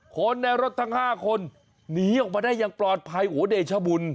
คนในรถทั้ง๕คนหนีออกมาได้อย่างปลอดภัยโหเดชบุญ